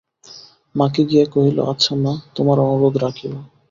মাকে গিয়া কহিল, আচ্ছা মা, তোমার অনুরোধ রাখিব।